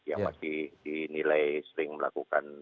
yang masih dinilai sering melakukan